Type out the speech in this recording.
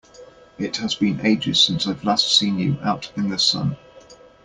It has been ages since I've last seen you out in the sun!